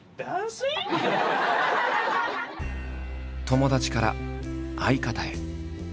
友達から相方へ。